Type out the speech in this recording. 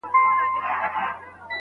قران کریم د عدل په اړه څه فرمایلي دي؟